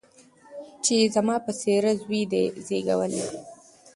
چي یې زما په څېره زوی دی زېږولی